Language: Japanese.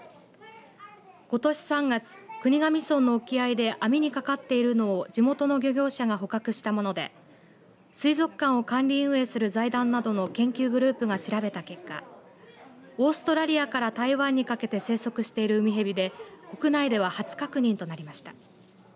ことし３月、国頭村の沖合で網に掛かっているのを地元の漁業者が捕獲したもので水族館を管理運営する財団などの研究グループが調べた結果オーストラリアから台湾にかけて生息しているウミヘビで国内では初確認となりました。